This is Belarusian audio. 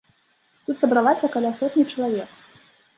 Тут сабралася каля сотні чалавек.